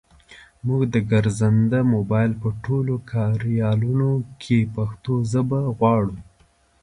مونږ د ګرځنده مبایل په ټولو کاریالونو کې پښتو ژبه غواړو.